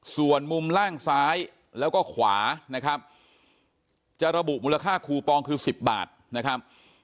ส่วนมุมล่างซ้ายแล้วก็ขวานะครับจะระบุมูลค่าคูปองคือ๑๐บาทนะครับ